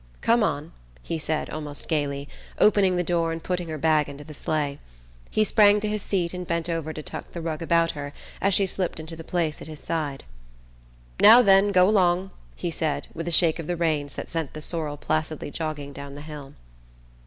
"Come on," he said almost gaily, opening the door and putting her bag into the sleigh. He sprang to his seat and bent over to tuck the rug about her as she slipped into the place at his side. "Now then, go 'long," he said, with a shake of the reins that sent the sorrel placidly jogging down the hill.